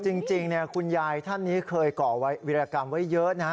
จริงคุณยายท่านนี้เคยก่อวิรากรรมไว้เยอะนะ